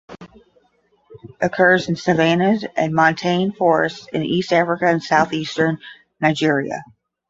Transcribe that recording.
Occurs in savannahs and montane forests in East Africa and Southeastern Nigeria.